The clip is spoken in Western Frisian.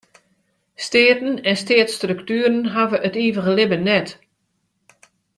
Steaten en steatsstructuren hawwe it ivige libben net.